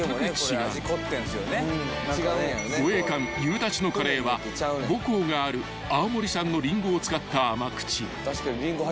［護衛艦ゆうだちのカレーは母港がある青森産のリンゴを使った甘口］